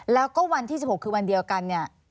แล้วก็วันที่๑๖คือวันเดียวกันเนี่ย